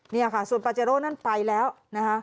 นี่ค่ะส่วนปาเจโร่นั่นไปแล้วนะคะ